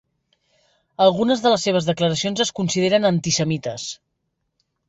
Algunes de les seves declaracions es consideren antisemites.